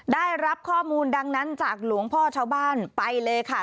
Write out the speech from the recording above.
ได้รับข้อมูลดังนั้นจากหลวงพ่อชาวบ้านไปเลยค่ะ